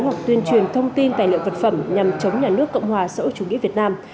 hoặc tuyên truyền thông tin tài liệu vật phẩm nhằm chống nhà nước cộng hòa sở chủ nghĩa việt nam